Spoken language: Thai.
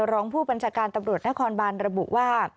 รองผู้บัญชาการตำรวจนครบานระบุว่า